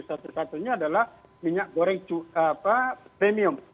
satu satunya adalah minyak goreng premium